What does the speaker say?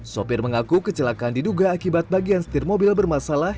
sopir mengaku kecelakaan diduga akibat bagian setir mobil bermasalah